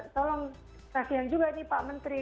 tolong kasihan juga nih pak menteri